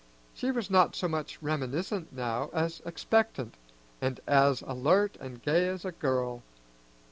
She was not so much reminiscent now as expectant, and as alert and gay as a girl.